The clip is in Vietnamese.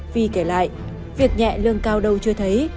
vì kể lại việc nhẹ lương cao đâu chưa thấy